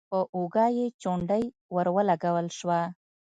په اوږه يې چونډۍ ور ولګول شوه: